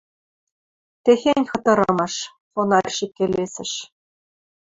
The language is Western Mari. — Техень хытырымаш, — фонарщик келесӹш.